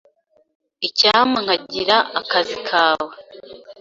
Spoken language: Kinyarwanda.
Icyampa nkagira akazi kawe.